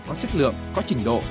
có chất lượng có trình độ